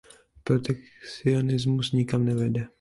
Protekcionismus nikam nevede.